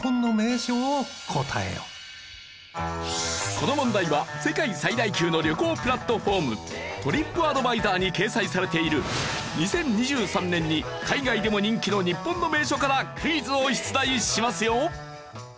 この問題は世界最大級の旅行プラットフォームトリップアドバイザーに掲載されている２０２３年に海外でも人気の日本の名所からクイズを出題しますよ。